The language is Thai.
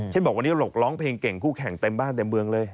บอกวันนี้หกร้องเพลงเก่งคู่แข่งเต็มบ้านเต็มเมืองเลย